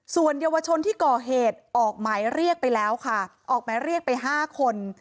ส่วนเยาวชนที่ก่อเหตุออกหมายเรียกไปแล้วค่ะออกหมายเรียกไป๕คน